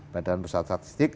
badan pusat statistik